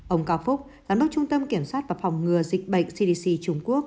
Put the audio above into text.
ông cao phúc giám đốc trung tâm kiểm soát và phòng ngừa dịch bệnh cdc trung quốc